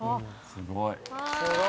すごい。